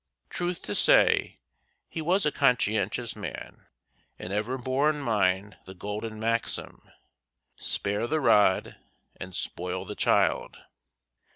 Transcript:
Truth to say, he was a conscientious man, and ever bore in mind the golden maxim, "Spare the rod and spoil the child."